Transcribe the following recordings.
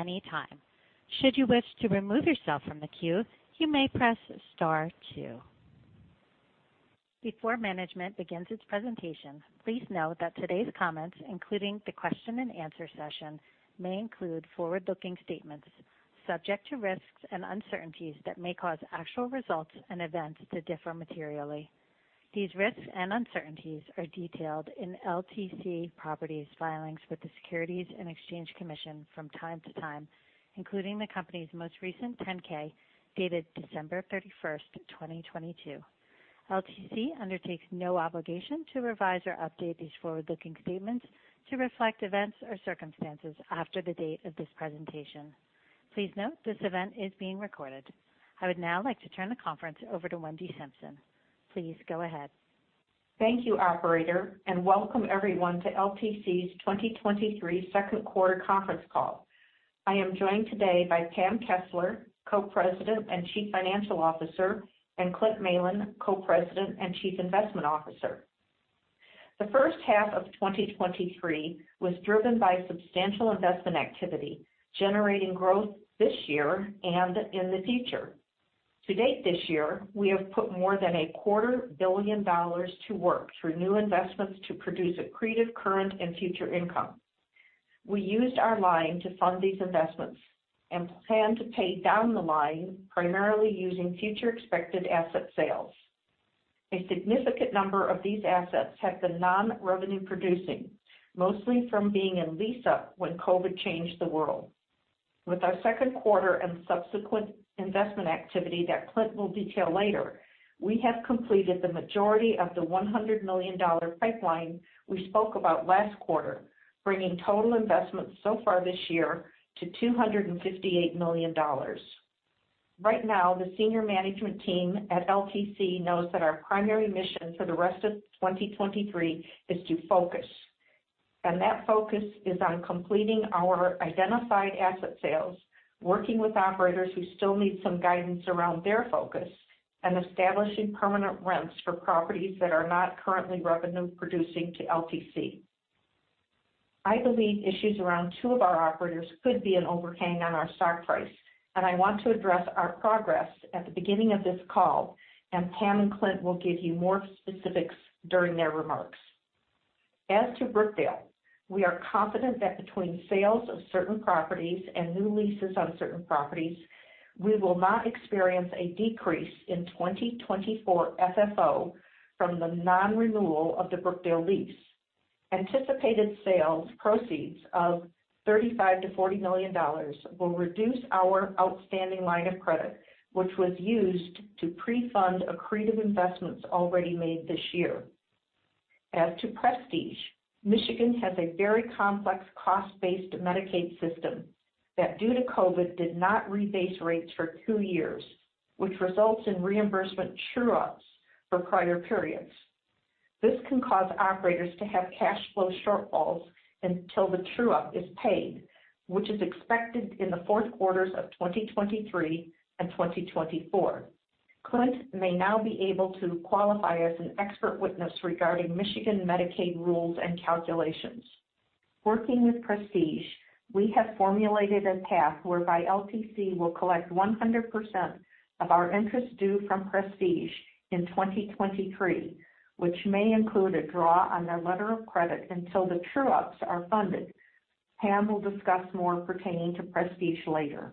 at any time. Should you wish to remove yourself from the queue, you may press star two. Before management begins its presentation, please note that today's comments, including the question and answer session, may include forward-looking statements subject to risks and uncertainties that may cause actual results and events to differ materially. These risks and uncertainties are detailed in LTC Properties filings with the Securities and Exchange Commission from time to time, including the company's most recent 10-K, dated December 31st, 2022. LTC undertakes no obligation to revise or update these forward-looking statements to reflect events or circumstances after the date of this presentation. Please note, this event is being recorded. I would now like to turn the conference over to Wendy Simpson. Please go ahead. Thank you, operator, and welcome everyone to LTC's 2023 Q2 conference call. I am joined today by Pam Kessler, Co-President and Chief Financial Officer, and Clint Malin, Co-President and Chief Investment Officer. The H1 of 2023 was driven by substantial investment activity, generating growth this year and in the future. To date this year, we have put more than $250 million to work through new investments to produce accretive current and future income. We used our line to fund these investments and plan to pay down the line primarily using future expected asset sales. A significant number of these assets have been non-revenue producing, mostly from being in lease up when COVID changed the world. With our second quarter and subsequent investment activity that Clint will detail later, we have completed the majority of the $100 million pipeline we spoke about last quarter, bringing total investments so far this year to $258 million. Right now, the senior management team at LTC knows that our primary mission for the rest of 2023 is to focus, and that focus is on completing our identified asset sales, working with operators who still need some guidance around their focus, and establishing permanent rents for properties that are not currently revenue producing to LTC. I believe issues around two of our operators could be an overhang on our stock price, and I want to address our progress at the beginning of this call, and Pam and Clint will give you more specifics during their remarks. As to Brookdale, we are confident that between sales of certain properties and new leases on certain properties, we will not experience a decrease in 2024 FFO from the non-renewal of the Brookdale lease. Anticipated sales proceeds of $35 million-$40 million will reduce our outstanding line of credit, which was used to pre-fund accretive investments already made this year. As to Prestige, Michigan has a very complex cost-based Medicaid system that, due to COVID, did not rebase rates for two years, which results in reimbursement true ups for prior periods. This can cause operators to have cash flow shortfalls until the true up is paid, which is expected in the fourth quarters of 2023 and 2024. Clint may now be able to qualify as an expert witness regarding Michigan Medicaid rules and calculations. Working with Prestige, we have formulated a path whereby LTC will collect 100% of our interest due from Prestige in 2023, which may include a draw on their letter of credit until the true ups are funded. Pam will discuss more pertaining to Prestige later.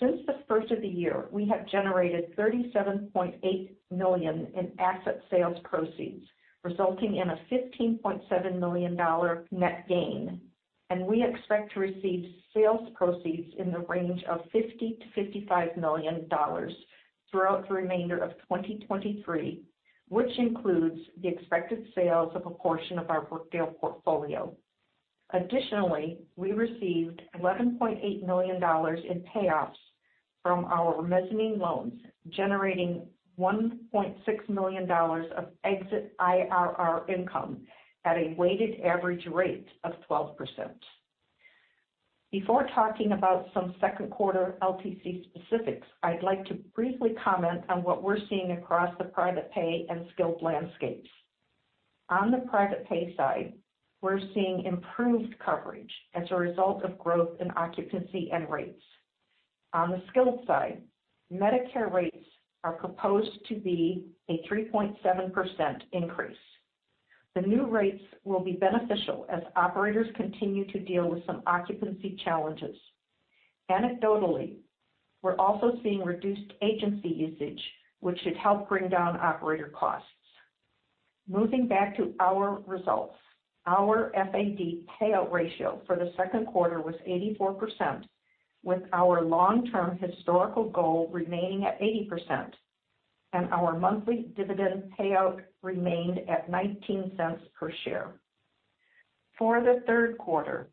Since the first of the year, we have generated $37.8 million in asset sales proceeds, resulting in a $15.7 million net gain. We expect to receive sales proceeds in the range of $50 million-$55 million throughout the remainder of 2023, which includes the expected sales of a portion of our Brookdale portfolio. Additionally, we received $11.8 million in payoffs from our mezzanine loans, generating $1.6 million of exit IRR income at a weighted average rate of 12%. Before talking about some second quarter LTC specifics, I'd like to briefly comment on what we're seeing across the private pay and skilled landscapes. On the private pay side, we're seeing improved coverage as a result of growth in occupancy and rates. On the skilled side, Medicare rates are proposed to be a 3.7% increase. The new rates will be beneficial as operators continue to deal with some occupancy challenges. Anecdotally, we're also seeing reduced agency usage, which should help bring down operator costs. Moving back to our results. Our FAD payout ratio for the second quarter was 84%, with our long-term historical goal remaining at 80%, and our monthly dividend payout remained at $0.19 per share. For the third quarter,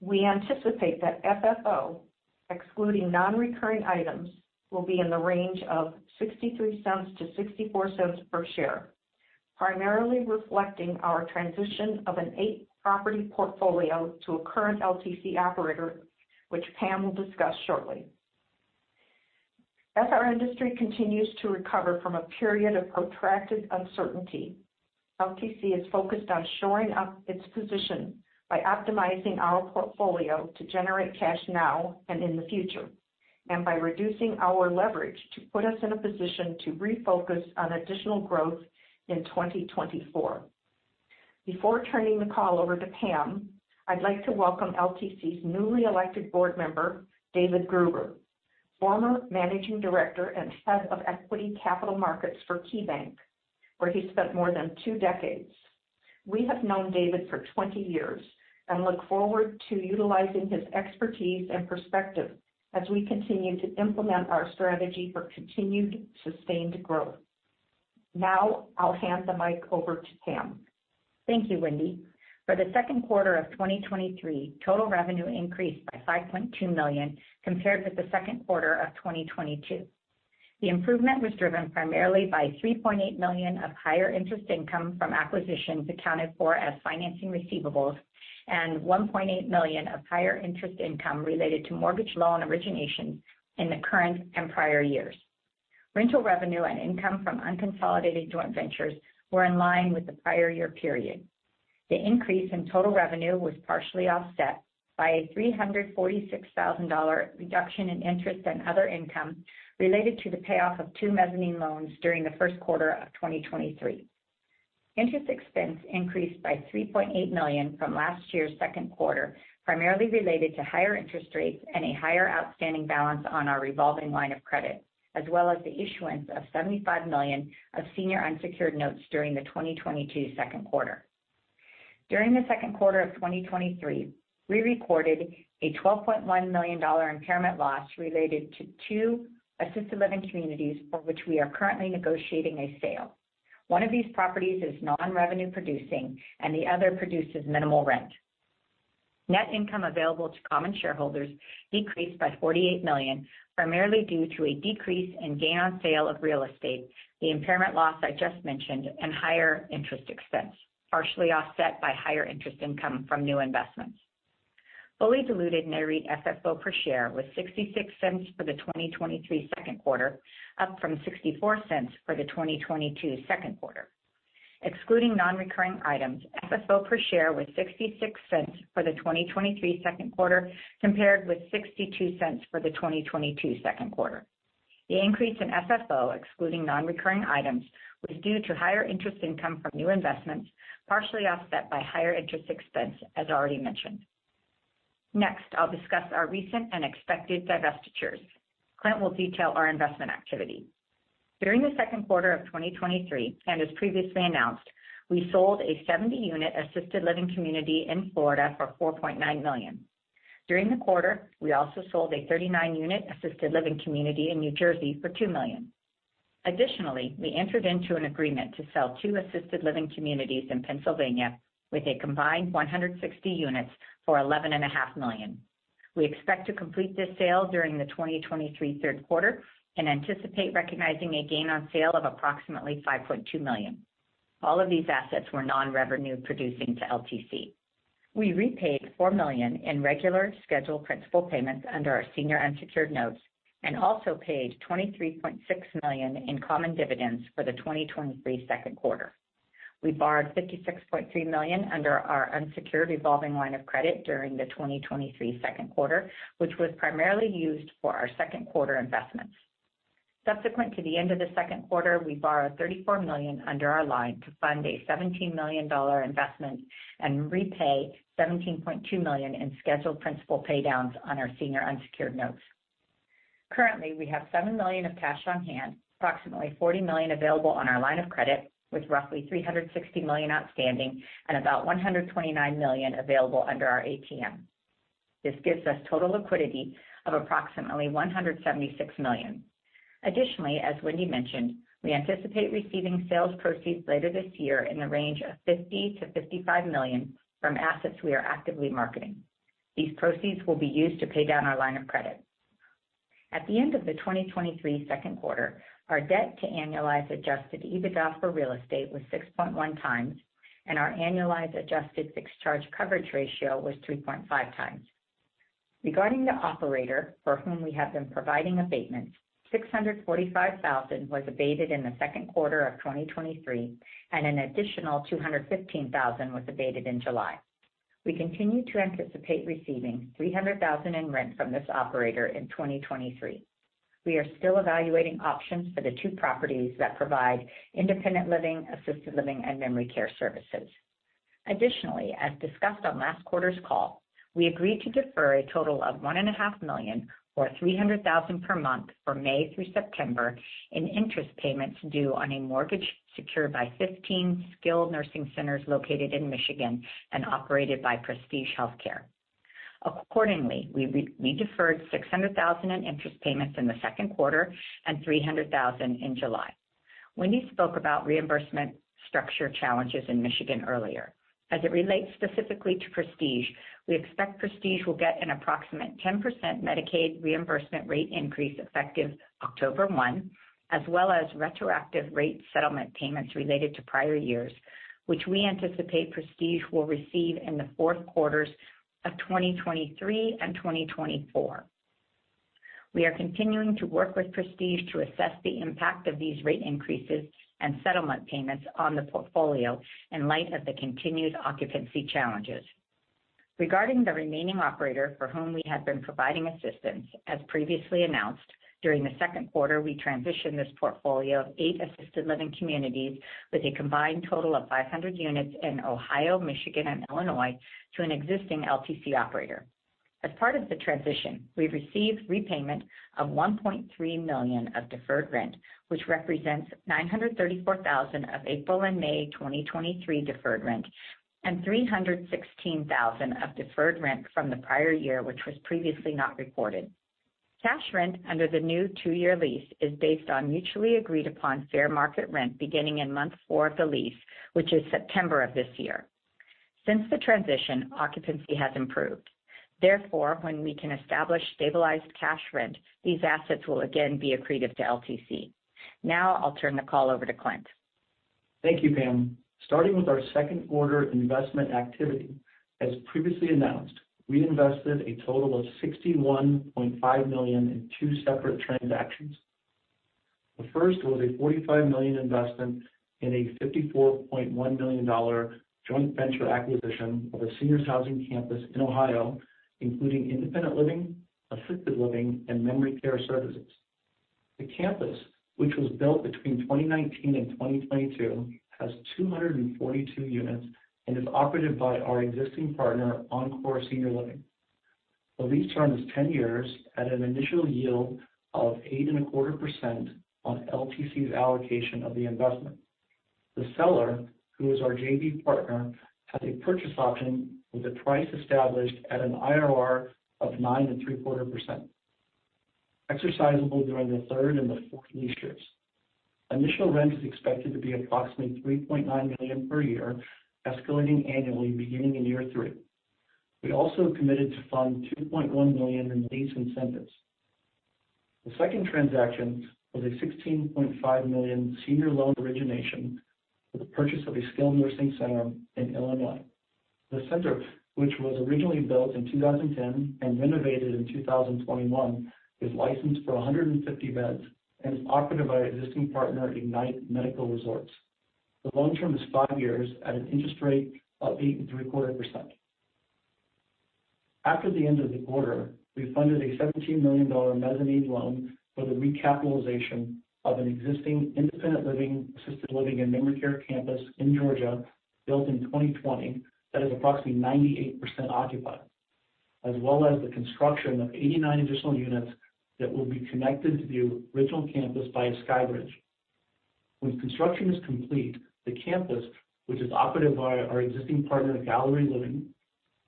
we anticipate that FFO, excluding non-recurring items, will be in the range of $0.63-$0.64 per share, primarily reflecting our transition of an eight-property portfolio to a current LTC operator, which Pam will discuss shortly. As our industry continues to recover from a period of protracted uncertainty, LTC is focused on shoring up its position by optimizing our portfolio to generate cash now and in the future, and by reducing our leverage to put us in a position to refocus on additional growth in 2024. Before turning the call over to Pam, I'd like to welcome LTC's newly elected Board Member, David Gruber, former Managing Director and Head of Equity Capital Markets for KeyBank, where he spent more than two decades. We have known David for 20 years and look forward to utilizing his expertise and perspective as we continue to implement our strategy for continued sustained growth. Now I'll hand the mic over to Pam. Thank you, Wendy. For the second quarter of 2023, total revenue increased by $5.2 million compared with the second quarter of 2022. The improvement was driven primarily by $3.8 million of higher interest income from acquisitions accounted for as financing receivables, and $1.8 million of higher interest income related to mortgage loan origination in the current and prior years. Rental revenue and income from unconsolidated joint ventures were in line with the prior year period. The increase in total revenue was partially offset by a $346,000 reduction in interest and other income related to the payoff of 2 mezzanine loans during the first quarter of 2023. Interest expense increased by $3.8 million from last year's second quarter, primarily related to higher interest rates and a higher outstanding balance on our revolving line of credit, as well as the issuance of $75 million of senior unsecured notes during the 2022 second quarter. During the second quarter of 2023, we recorded a $12.1 million impairment loss related to two assisted living communities for which we are currently negotiating a sale. One of these properties is non-revenue producing and the other produces minimal rent. Net income available to common shareholders decreased by $48 million, primarily due to a decrease in gain on sale of real estate, the impairment loss I just mentioned, and higher interest expense, partially offset by higher interest income from new investments. Fully diluted net REIT FFO per share was $0.66 for the 2023 second quarter, up from $0.64 for the 2022 second quarter. Excluding nonrecurring items, FFO per share was $0.66 for the 2023 second quarter, compared with $0.62 for the 2022 second quarter. The increase in FFO, excluding nonrecurring items, was due to higher interest income from new investments, partially offset by higher interest expense, as already mentioned. Next, I'll discuss our recent and expected divestitures. Clint will detail our investment activity. During the second quarter of 2023, and as previously announced, we sold a 70-unit assisted living community in Florida for $4.9 million. During the quarter, we also sold a 39-unit assisted living community in New Jersey for $2 million. Additionally, we entered into an agreement to sell two assisted living communities in Pennsylvania with a combined 160 units for $11.5 million. We expect to complete this sale during the 2023 third quarter and anticipate recognizing a gain on sale of approximately $5.2 million. All of these assets were non-revenue producing to LTC. We repaid $4 million in regular scheduled principal payments under our senior unsecured notes and also paid $23.6 million in common dividends for the 2023 second quarter. We borrowed $56.3 million under our unsecured revolving line of credit during the 2023 second quarter, which was primarily used for our second quarter investments. Subsequent to the end of the second quarter, we borrowed $34 million under our line to fund a $17 million investment and repay $17.2 million in scheduled principal paydowns on our senior unsecured notes. Currently, we have $7 million of cash on hand, approximately $40 million available on our line of credit, with roughly $360 million outstanding, and about $129 million available under our ATM. This gives us total liquidity of approximately $176 million. Additionally, as Wendy mentioned, we anticipate receiving sales proceeds later this year in the range of $50 million-$55 million from assets we are actively marketing. These proceeds will be used to pay down our line of credit. At the end of the 2023 second quarter, our debt to annualized adjusted EBITDA for real estate was 6.1 times, and our annualized adjusted fixed charge coverage ratio was 3.5 times. Regarding the operator for whom we have been providing abatements, $645,000 was abated in the second quarter of 2023, and an additional $215,000 was abated in July. We continue to anticipate receiving $300,000 in rent from this operator in 2023. We are still evaluating options for the two properties that provide independent living, assisted living, and memory care services. Additionally, as discussed on last quarter's call, we agreed to defer a total of $1.5 million, or $300,000 per month, for May through September in interest payments due on a mortgage secured by 15 skilled nursing centers located in Michigan and operated by Prestige Healthcare. Accordingly, we deferred $600,000 in interest payments in the and $300,000 in July. Wendy spoke about reimbursement structure challenges in Michigan earlier. As it relates specifically to Prestige, we expect Prestige will get an approximate 10% Medicaid reimbursement rate increase effective October 1, as well as retroactive rate settlement payments related to prior years, which we anticipate Prestige will receive in the fourth quarters of 2023 and 2024. We are continuing to work with Prestige to assess the impact of these rate increases and settlement payments on the portfolio in light of the continued occupancy challenges. Regarding the remaining operator for whom we had been providing assistance, as previously announced, during the second quarter, we transitioned this portfolio of 8 assisted living communities with a combined total of 500 units in Ohio, Michigan, and Illinois, to an existing LTC operator. As part of the transition, we received repayment of $1.3 million of deferred rent, which represents $934,000 of April and May 2023 deferred rent, and $316,000 of deferred rent from the prior year, which was previously not recorded. Cash rent under the new 2-year lease is based on mutually agreed upon fair market rent beginning in month 4 of the lease, which is September of this year. Since the transition, occupancy has improved. Therefore, when we can establish stabilized cash rent, these assets will again be accretive to LTC. Now I'll turn the call over to Clint. Thank you, Pam. Starting with our second quarter investment activity, as previously announced, we invested a total of $61.5 million in two separate transactions. The first was a $45 million investment in a $54.1 million joint venture acquisition of a seniors housing campus in Ohio, including independent living, assisted living, and memory care services. The campus, which was built between 2019 and 2022, has 242 units and is operated by our existing partner, Encore Senior Living. The lease term is 10 years at an initial yield of 8.25% on LTC's allocation of the investment. The seller, who is our JV partner, has a purchase option with a price established at an IRR of 9.75%, exercisable during the third and the fourth lease years. Initial rent is expected to be approximately $3.9 million per year, escalating annually beginning in year 3. We also committed to fund $2.1 million in lease incentives. The second transaction was a $16.5 million senior loan origination for the purchase of a skilled nursing center in Illinois. The center, which was originally built in 2010 and renovated in 2021, is licensed for 150 beds and is operated by our existing partner, Ignite Medical Resorts. The loan term is 5 years at an interest rate of 8.75%. After the end of the quarter, we funded a $17 million mezzanine loan for the recapitalization of an existing independent living, assisted living, and memory care campus in Georgia, built in 2020, that is approximately 98% occupied, as well as the construction of 89 additional units that will be connected to the original campus by a skybridge. When construction is complete, the campus, which is operated by our existing partner, Gallery Living,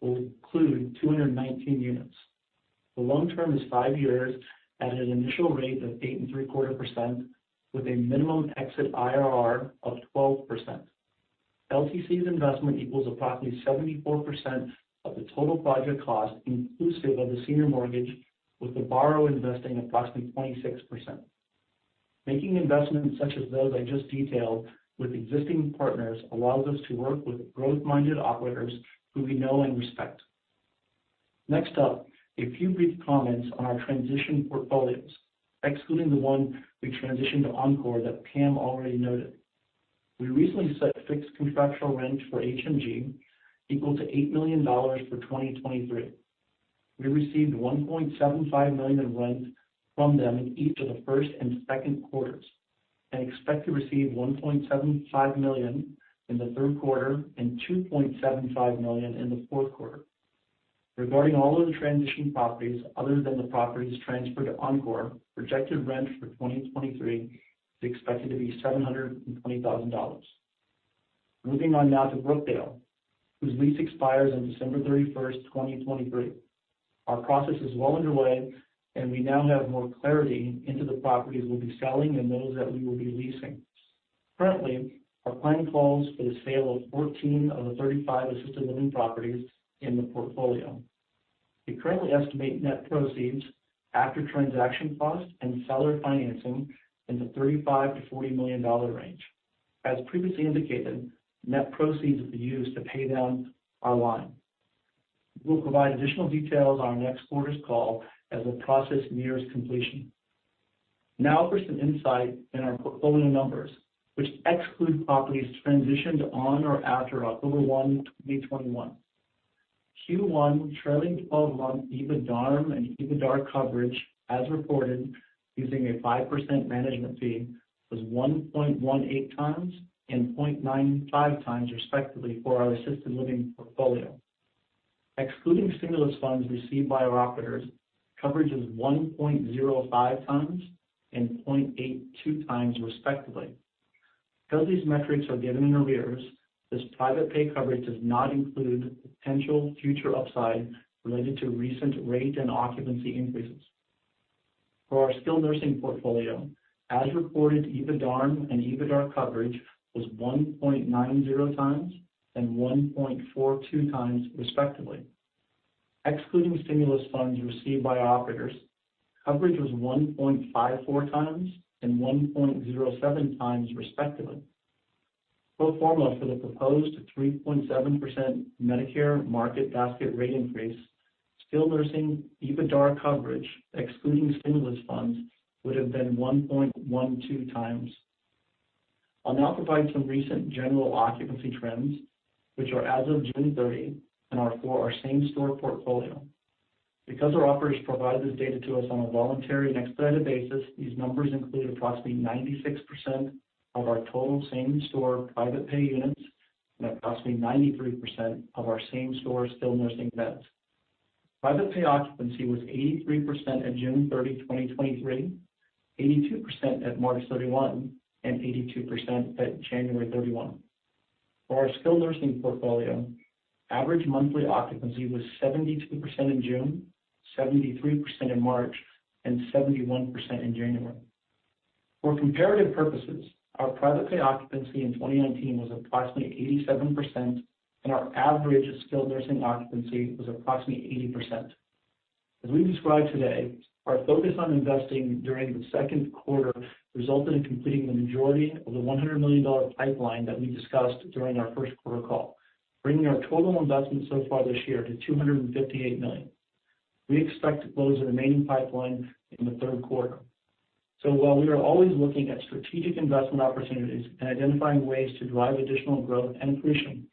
will include 219 units. The loan term is 5 years at an initial rate of 8.75%, with a minimum exit IRR of 12%. LTC's investment equals approximately 74% of the total project cost, inclusive of the senior mortgage, with the borrower investing approximately 26%. Making investments such as those I just detailed with existing partners allows us to work with growth-minded operators who we know and respect. Next up, a few brief comments on our transition portfolios, excluding the one we transitioned to Encore that Pam already noted. We recently set fixed contractual rent for HMG equal to $8 million for 2023. We received $1.75 million in rent from them in each of the first and second quarters, and expect to receive $1.75 million in the third quarter and $2.75 million in the fourth quarter. Regarding all other transition properties, other than the properties transferred to Encore, projected rent for 2023 is expected to be $720,000. Moving on now to Brookdale, whose lease expires on December 31, 2023. Our process is well underway, and we now have more clarity into the properties we'll be selling and those that we will be leasing. Currently, our plan calls for the sale of 14 of the 35 assisted living properties in the portfolio. We currently estimate net proceeds after transaction costs and seller financing in the $35 million-$40 million range. As previously indicated, net proceeds will be used to pay down our line. We'll provide additional details on next quarter's call as the process nears completion. For some insight in our portfolio numbers, which exclude properties transitioned on or after October 1, 2021. Q1 trailing 12-month EBITDARM and EBITDAR coverage, as reported using a 5% management fee, was 1.18 times and 0.95 times, respectively, for our assisted living portfolio. Excluding stimulus funds received by our operators, coverage is 1.05 times and 0.82 times, respectively. Because these metrics are given in arrears, this private pay coverage does not include potential future upside related to recent rate and occupancy increases. For our skilled nursing portfolio, as reported, EBITDARM and EBITDAR coverage was 1.90 times and 1.42 times, respectively. Excluding stimulus funds received by our operators, coverage was 1.54 times and 1.07 times, respectively. Pro forma for the proposed 3.7% Medicare market basket rate increase, skilled nursing EBITDA coverage, excluding stimulus funds, would have been 1.12 times. I'll now provide some recent general occupancy trends, which are as of June 30 and are for our same-store portfolio. Because our operators provide this data to us on a voluntary and expedited basis, these numbers include approximately 96% of our total same-store private pay units and approximately 93% of our same-store skilled nursing beds. Private pay occupancy was 83% at June 30, 2023, 82% at March 31, and 82% at January 31. For our skilled nursing portfolio, average monthly occupancy was 72% in June, 73% in March, and 71% in January. For comparative purposes, our private pay occupancy in 2019 was approximately 87%, and our average skilled nursing occupancy was approximately 80%. As we described today, our focus on investing during the second quarter resulted in completing the majority of the $100 million pipeline that we discussed during our first quarter call, bringing our total investment so far this year to $258 million. We expect to close the remaining pipeline in the third quarter. While we are always looking at strategic investment opportunities and identifying ways to drive additional growth and accretion,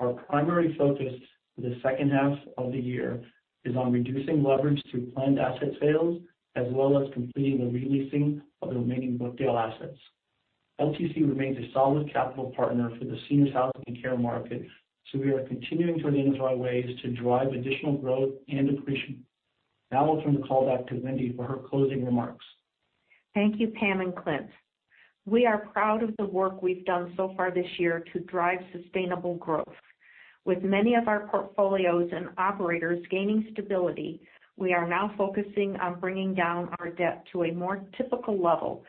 our primary focus for the second half of the year is on reducing leverage through planned asset sales, as well as completing the re-leasing of the remaining Brookdale assets. LTC remains a solid capital partner for the seniors' housing and care market, so we are continuing to identify ways to drive additional growth and accretion. Now I'll turn the call back to Wendy for her closing remarks. Thank you, Pam and Clint. We are proud of the work we've done so far this year to drive sustainable growth. With many of our portfolios and operators gaining stability, we are now focusing on bringing down our debt to a more typical level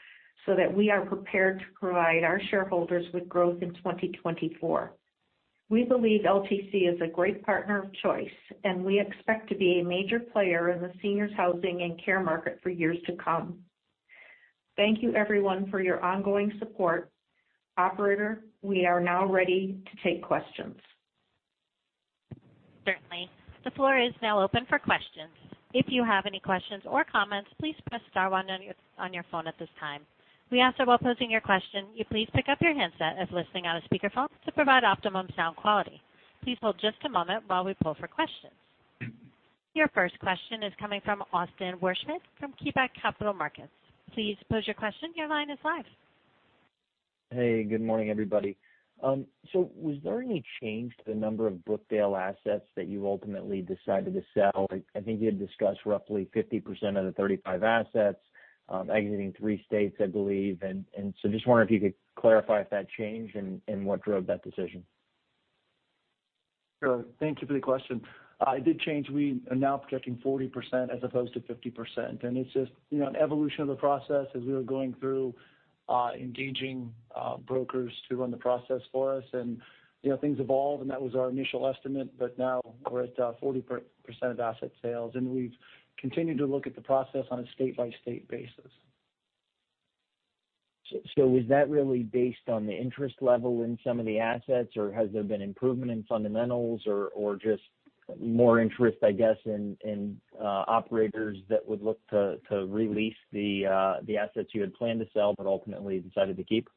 so that we are prepared to provide our shareholders with growth in 2024. We believe LTC is a great partner of choice, and we expect to be a major player in the seniors' housing and care market for years to come. Thank you everyone for your ongoing support. Operator, we are now ready to take questions. Certainly. The floor is now open for questions. If you have any questions or comments, please press star 1 on your phone at this time. We ask that while posing your question, you please pick up your handset as listening on a speakerphone to provide optimum sound quality. Please hold just a moment while we pull for questions. Your first question is coming from Austin Wurschmidt from KeyBanc Capital Markets. Please pose your question. Your line is live. Hey, good morning, everybody. Was there any change to the number of Brookdale assets that you ultimately decided to sell? I, I think you had discussed roughly 50% of the 35 assets, exiting three states, I believe. Just wondering if you could clarify if that changed and what drove that decision. Sure. Thank you for the question. It did change. We are now projecting 40% as opposed to 50%, and it's just, you know, an evolution of the process as we were going through, engaging, brokers to run the process for us. You know, things evolved and that was our initial estimate, but now we're at 40% of asset sales, and we've continued to look at the process on a state-by-state basis. Is that really based on the interest level in some of the assets, or has there been improvement in fundamentals or, or just more interest, I guess, in, in operators that would look to, to re-lease the, the assets you had planned to sell but ultimately decided to keep?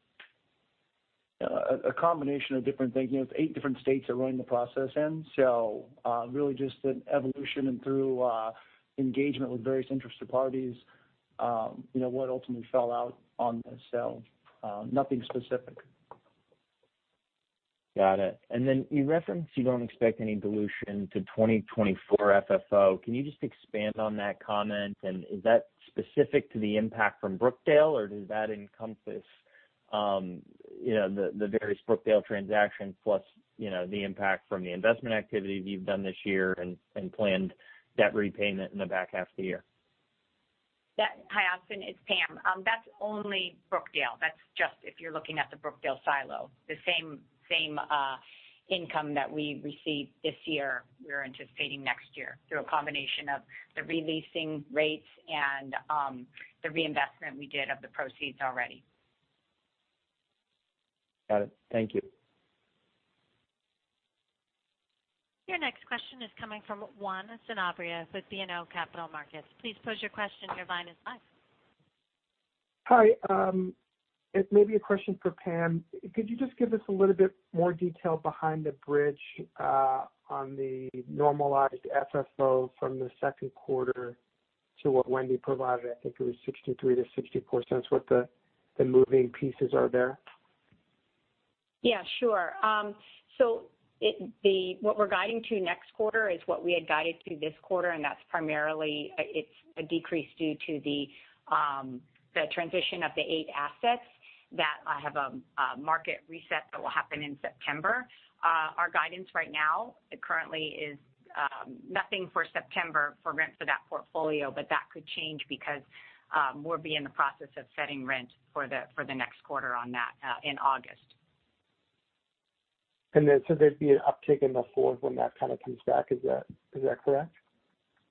A combination of different things. You know, it's 8 different states are running the process in. Really just an evolution and through, engagement with various interested parties, you know, what ultimately fell out on the sale, nothing specific. Got it. Then you referenced you don't expect any dilution to 2024 FFO. Can you just expand on that comment? Is that specific to the impact from Brookdale, or does that encompass, you know, the, the various Brookdale transactions plus, you know, the impact from the investment activities you've done this year and, and planned debt repayment in the back half of the year? Hi, Austin, it's Pam. That's only Brookdale. That's just if you're looking at the Brookdale silo. The same, same income that we received this year, we're anticipating next year through a combination of the re-leasing rates and the reinvestment we did of the proceeds already. Got it. Thank you. Your next question is coming from Juan Sanabria with BMO Capital Markets. Please pose your question. Your line is live. Hi, it may be a question for Pam. Could you just give us a little bit more detail behind the bridge on the normalized FFO from the second quarter to what Wendy provided? I think it was $0.63-$0.64. What the moving pieces are there? Yeah, sure. What we're guiding to next quarter is what we had guided to this quarter, and that's primarily, it's a decrease due to the transition of the eight assets that have a, a market reset that will happen in September. Our guidance right now currently is nothing for September for rent for that portfolio, but that could change because we'll be in the process of setting rent for the next quarter on that in August. There'd be an uptick in the fourth when that kind of comes back, is that, is that correct?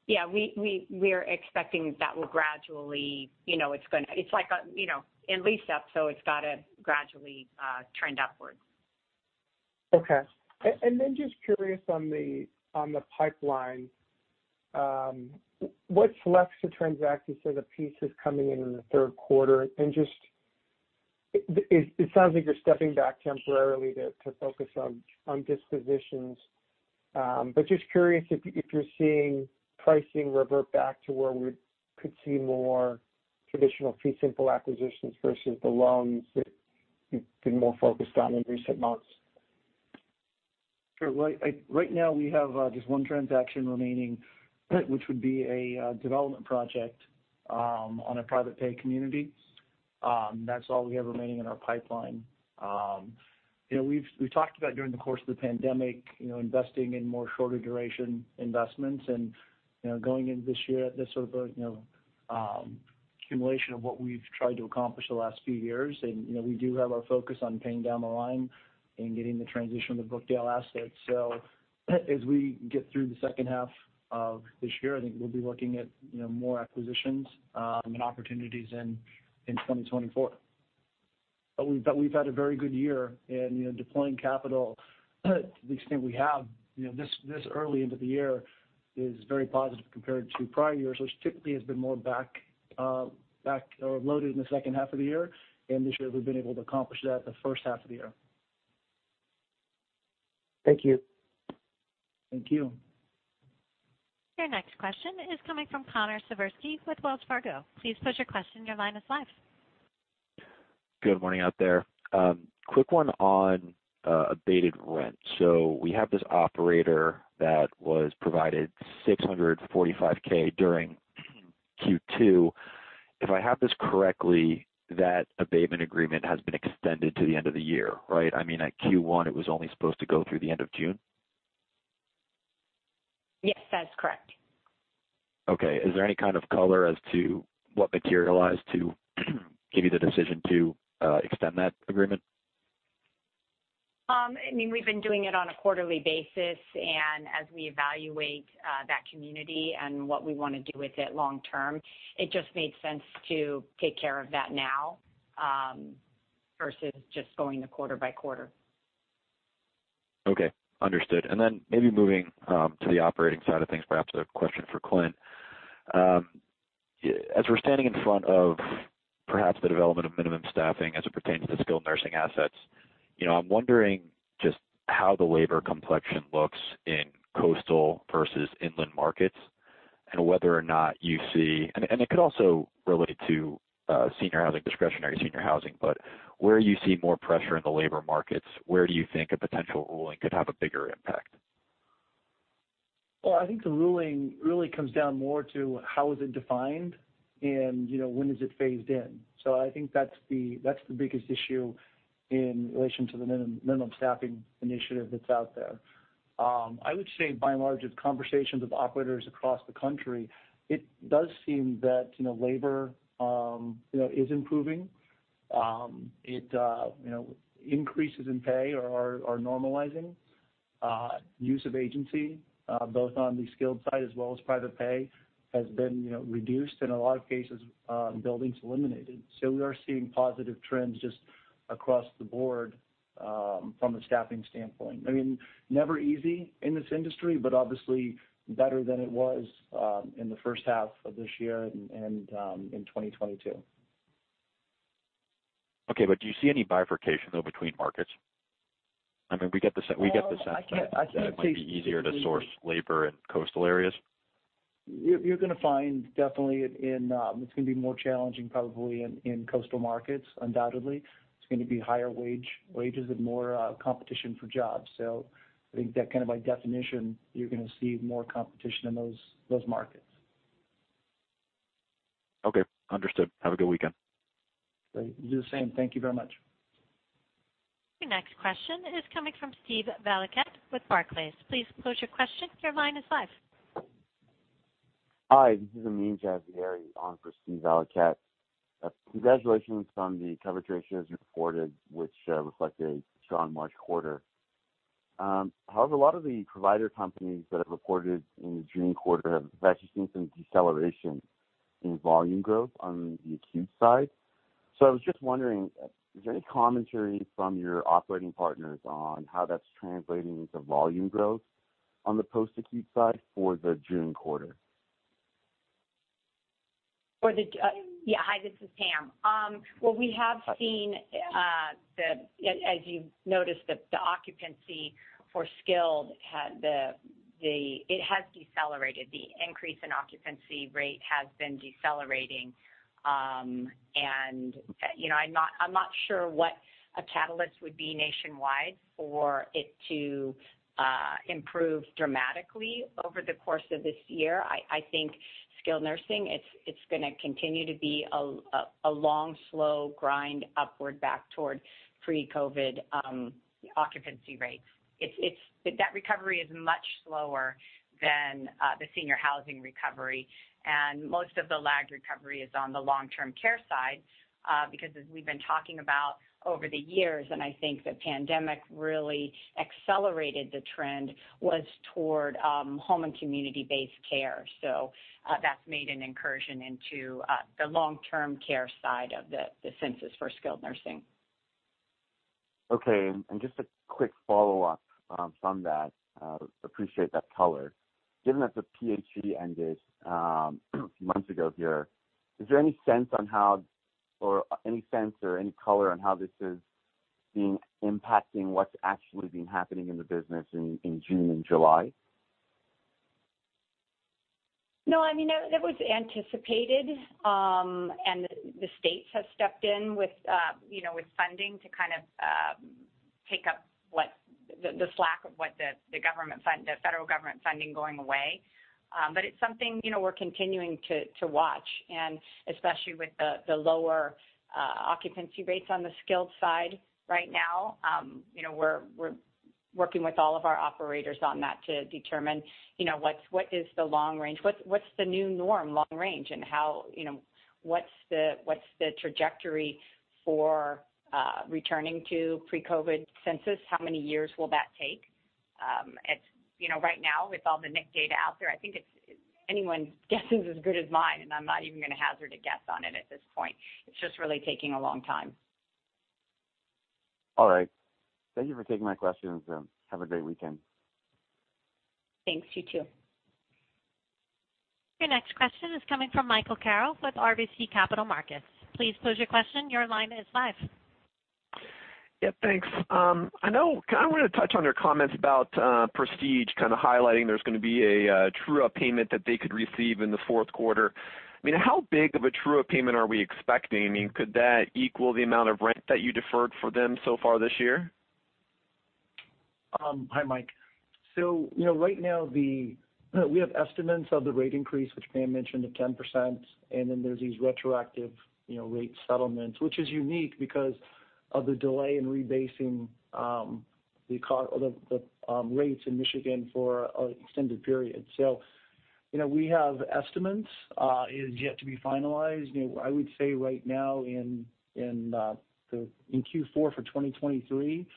Yeah, we, we, we're expecting that will gradually, you know, it's like a, you know, in lease up, so it's got to gradually trend upwards. Okay. Just curious on the, on the pipeline, what's left to transact, you say the piece is coming in in the third quarter. Just, it sounds like you're stepping back temporarily to, to focus on, on dispositions. Just curious if, if you're seeing pricing revert back to where we could see more traditional fee simple acquisitions versus the loans that you've been more focused on in recent months? Sure. Well, I, right now, we have, just one transaction remaining, which would be a, development project, on a private pay community. That's all we have remaining in our pipeline. You know, we've, we've talked about during the course of the pandemic, you know, investing in more shorter duration investments and, you know, going into this year at this sort of a, you know, accumulation of what we've tried to accomplish the last few years. You know, we do have our focus on paying down the line and getting the transition of the Brookdale assets. As we get through the second half of this year, I think we'll be looking at, you know, more acquisitions, and opportunities in, in 2024. We've, but we've had a very good year in, you know, deploying capital to the extent we have, you know, this, this early into the year is very positive compared to prior years, which typically has been more back, back or loaded in the second half of the year, and this year we've been able to accomplish that in the first half of the year. Thank you. Thank you. Your next question is coming from Connor Siversky with Wells Fargo. Please pose your question, your line is live. Good morning out there. Quick one on abated rent. We have this operator that was provided $645,000 during Q2. If I have this correctly, that abatement agreement has been extended to the end of the year, right? I mean, at Q1, it was only supposed to go through the end of June. Yes, that is correct. Okay. Is there any kind of color as to what materialized to give you the decision to extend that agreement? I mean, we've been doing it on a quarterly basis, and as we evaluate, that community and what we want to do with it long term, it just made sense to take care of that now, versus just going to quarter by quarter. Okay, understood. Then maybe moving to the operating side of things, perhaps a question for Clint. As we're standing in front of perhaps the development of minimum staffing as it pertains to skilled nursing assets, you know, I'm wondering just how the labor complexion looks in coastal versus inland markets, whether or not you see-- it could also relate to senior housing, discretionary senior housing, but where you see more pressure in the labor markets, where do you think a potential ruling could have a bigger impact? Well, I think the ruling really comes down more to how is it defined and, you know, when is it phased in. I think that's the, that's the biggest issue in relation to the minimum, minimum staffing initiative that's out there. I would say by and large, it's conversations with operators across the country. It does seem that, you know, labor, you know, is improving. It, you know, increases in pay are, are normalizing. Use of agency, both on the skilled side as well as private pay, has been, you know, reduced, in a lot of cases, buildings eliminated. We are seeing positive trends just across the board, from a staffing standpoint. I mean, never easy in this industry, but obviously better than it was, in the first half of this year and, and, in 2022. Okay, do you see any bifurcation, though, between markets? I mean, we get the sense... I can't, I can't say. It might be easier to source labor in coastal areas. You're, you're gonna find definitely in, it's gonna be more challenging, probably in, in coastal markets, undoubtedly. It's going to be higher wage, wages and more, competition for jobs. I think that kind of by definition, you're gonna see more competition in those, those markets. Okay, understood. Have a good weekend. Great. You do the same. Thank you very much. Your next question is coming from Steve Valiquette with Barclays. Please pose your question, your line is live. Hi, this is Amin Jazayeri on for Steve Valiquette. Congratulations on the coverage ratio as you reported, which reflected a strong March quarter. However, a lot of the provider companies that have reported in the June quarter have actually seen some deceleration in volume growth on the acute side. I was just wondering, is there any commentary from your operating partners on how that's translating into volume growth on the post-acute side for the June quarter? For the. Yeah, hi, this is Pam. Well, we have seen, as you've noticed, the occupancy for skilled it has decelerated. The increase in occupancy rate has been decelerating. You know, I'm not, I'm not sure what a catalyst would be nationwide for it to improve dramatically over the course of this year. I think skilled nursing, it's gonna continue to be a long, slow grind upward back toward pre-COVID occupancy rates. That recovery is much slower than the senior housing recovery, and most of the lagged recovery is on the long-term care side, because as we've been talking about over the years, and I think the pandemic really accelerated the trend, was toward home and community-based care. That's made an incursion into the long-term care side of the census for skilled nursing. Okay, just a quick follow-up, from that, appreciate that color. Given that the PHE ended months ago here, is there any sense on how or any sense or any color on how this is being impacting what's actually been happening in the business in June and July? No, I mean, that, that was anticipated. The states have stepped in with, you know, with funding to kind of take up the slack of what the federal government funding going away. It's something, you know, we're continuing to watch, and especially with the lower occupancy rates on the skilled side right now. You know, we're working with all of our operators on that to determine, you know, what's, what is the long range, what's, what's the new norm long range? How, you know, what's the, what's the trajectory for returning to pre-COVID census? How many years will that take? It's, you know, right now, with all the NIC data out there, I think it's, anyone's guess is as good as mine. I'm not even gonna hazard a guess on it at this point. It's just really taking a long time. All right. Thank you for taking my questions. Have a great weekend. Thanks. You, too. Your next question is coming from Michael Carroll with RBC Capital Markets. Please pose your question. Your line is live. Yeah, thanks. I know, kind of want to touch on your comments about Prestige, kind of highlighting there's gonna be a true-up payment that they could receive in the fourth quarter. I mean, how big of a true-up payment are we expecting? I mean, could that equal the amount of rent that you deferred for them so far this year? Hi, Mike. You know, right now, we have estimates of the rate increase, which Pam mentioned, of 10%, and then there's these retroactive, you know, rate settlements, which is unique because of the delay in rebasing the rates in Michigan for an extended period. You know, we have estimates. It is yet to be finalized. You know, I would say right now in, in Q4 for 2023,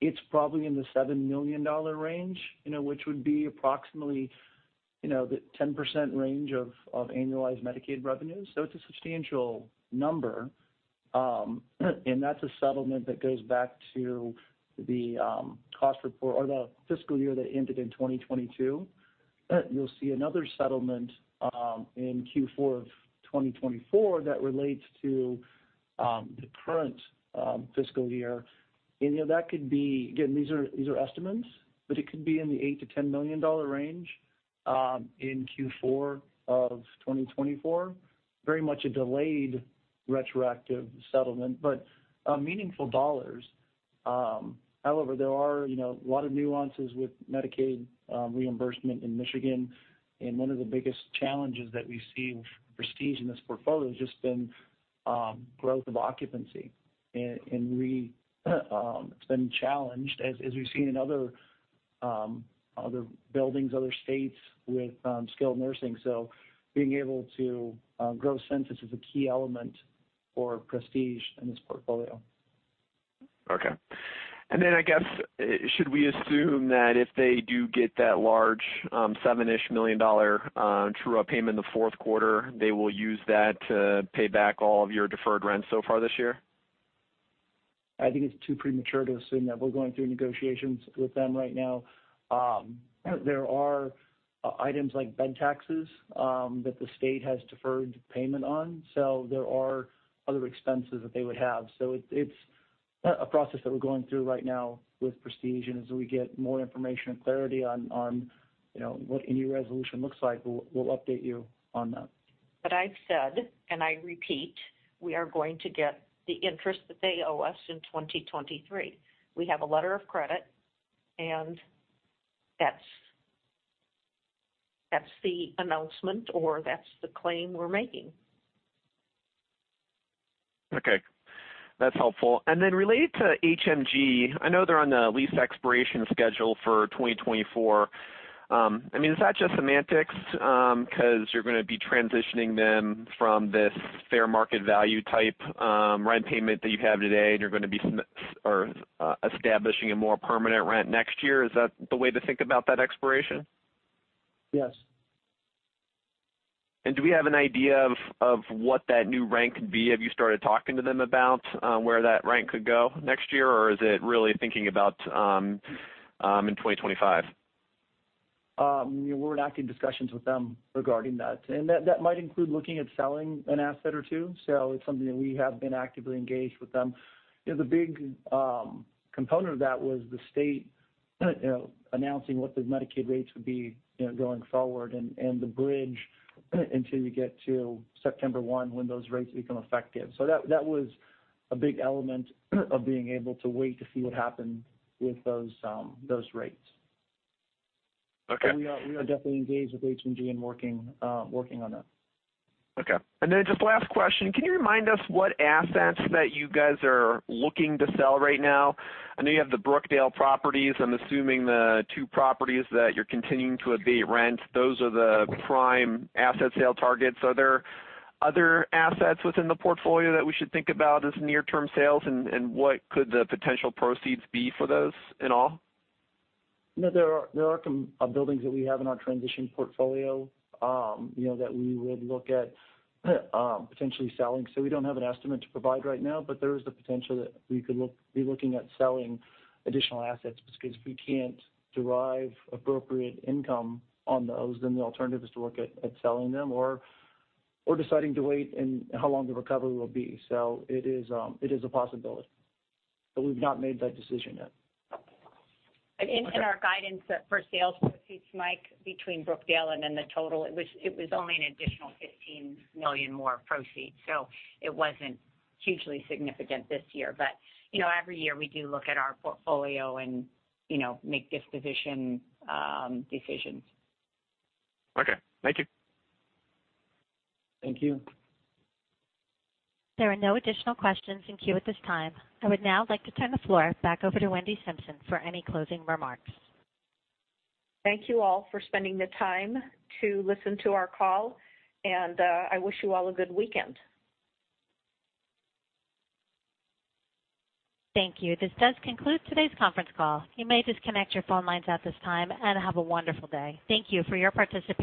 it's probably in the $7 million range, you know, which would be approximately, you know, the 10% range of, of annualized Medicaid revenues. It's a substantial number. That's a settlement that goes back to the cost report or the fiscal year that ended in 2022. You'll see another settlement in Q4 of 2024 that relates to the current fiscal year. You know, that could be, again, these are, these are estimates, but it could be in the $8 million-$10 million range, in Q4 of 2024. Very much a delayed retroactive settlement, but meaningful dollars. There are, you know, a lot of nuances with Medicaid reimbursement in Michigan, and one of the biggest challenges that we see with Prestige in this portfolio has just been, growth of occupancy. Re-- it's been challenged, as we've seen in other buildings, other states with skilled nursing. Being able to grow census is a key element for Prestige in this portfolio. Okay. Then I guess, should we assume that if they do get that large, $7-ish million true-up payment in the fourth quarter, they will use that to pay back all of your deferred rents so far this year? I think it's too premature to assume that. We're going through negotiations with them right now. There are items like bed taxes that the state has deferred payment on, so there are other expenses that they would have. So it's a process that we're going through right now with Prestige, and as we get more information and clarity on, on, you know, what a new resolution looks like, we'll, we'll update you on that. I've said, and I repeat, we are going to get the interest that they owe us in 2023. We have a letter of credit, and that's, that's the announcement, or that's the claim we're making. Okay, that's helpful. Related to HMG, I know they're on the lease expiration schedule for 2024. I mean, is that just semantics? Because you're gonna be transitioning them from this fair market value type, rent payment that you have today, and you're gonna be establishing a more permanent rent next year. Is that the way to think about that expiration? Yes. Do we have an idea of, of what that new rent could be? Have you started talking to them about, where that rent could go next year, or is it really thinking about, in 2025? We're in active discussions with them regarding that, and that, that might include looking at selling an asset or 2. It's something that we have been actively engaged with them. You know, the big, component of that was the state, you know, announcing what the Medicaid rates would be, you know, going forward and, and the bridge until you get to September 1, when those rates become effective. That, that was a big element of being able to wait to see what happened with those, those rates. Okay. We are, we are definitely engaged with HMG and working, working on that. Okay. Just last question, can you remind us what assets that you guys are looking to sell right now? I know you have the Brookdale properties. I'm assuming the two properties that you're continuing to abate rent, those are the prime asset sale targets. Are there other assets within the portfolio that we should think about as near-term sales, and, and what could the potential proceeds be for those in all? No, there are, there are some buildings that we have in our transition portfolio, you know, that we would look at, potentially selling. We don't have an estimate to provide right now, but there is the potential that we could be looking at selling additional assets, because if we can't derive appropriate income on those, then the alternative is to look at, at selling them or, or deciding to wait and how long the recovery will be. It is, it is a possibility, but we've not made that decision yet. In our guidance for sales proceeds, Mike, between Brookdale and then the total, it was, it was only an additional $15 million more proceeds, so it wasn't hugely significant this year. You know, every year we do look at our portfolio and, you know, make disposition decisions. Okay, thank you. Thank you. There are no additional questions in queue at this time. I would now like to turn the floor back over to Wendy Simpson for any closing remarks. Thank you all for spending the time to listen to our call, and, I wish you all a good weekend. Thank you. This does conclude today's conference call. You may disconnect your phone lines at this time and have a wonderful day. Thank you for your participation.